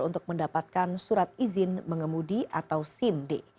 untuk mendapatkan surat izin mengemudi atau simd